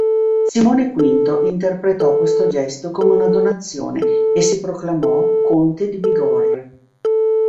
Simone V interpretò questo gesto come una donazione e si proclamò conte di Bigorre.